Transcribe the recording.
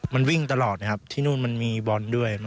มันวิ่งตลอดนะครับที่นู่นมันมีบอลด้วย